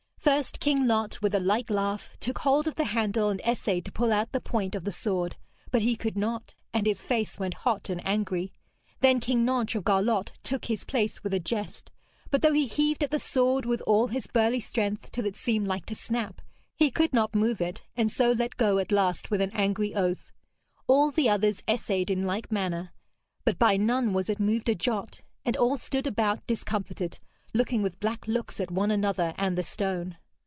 First King Lot, with a light laugh, took hold of the handle and essayed to pull out the point of the sword, but he could not, and his face went hot and angry. Then King Nentres of Garlot took his place with a jest, but though he heaved at the sword with all his burly strength, till it seemed like to snap, he could not move it, and so let go at last with an angry oath. All the others essayed in like manner, but by none was it moved a jot, and all stood about discomfited, looking with black looks at one another and the stone.